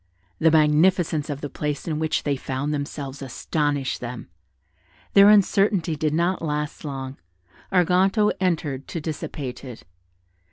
The magnificence of the place in which they found themselves astonished them. Their uncertainty did not last long: Arganto entered to dissipate it.